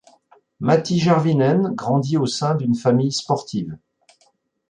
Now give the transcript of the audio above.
Matti Järvinen grandit au sein d'une famille sportive.